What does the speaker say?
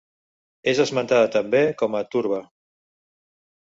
És esmentada també com a Turba.